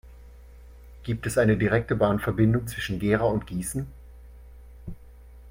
Gibt es eine direkte Bahnverbindung zwischen Gera und Gießen?